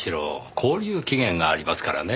勾留期限がありますからねぇ。